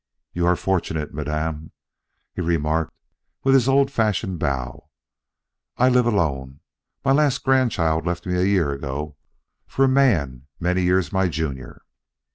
"You are fortunate, madame," he remarked with his old fashioned bow. "I live alone. My last grandchild left me a year ago for a man many years my junior."